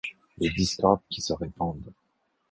Les discordes qui se répandent ;